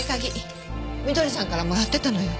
翠さんからもらってたのよ。